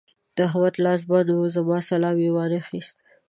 د احمد لاس بند وو؛ زما سلام يې وانخيست.